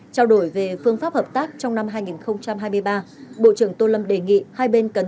trao đổi về phương pháp hợp tác trong năm hai nghìn hai mươi ba bộ trưởng tô lâm đề nghị hai bên cần